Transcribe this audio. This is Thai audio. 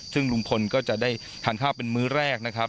ซึ่งลุงพลก็จะได้ทานข้าวเป็นมื้อแรกนะครับ